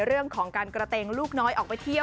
เรื่องของการกระเตงลูกน้อยออกไปเที่ยว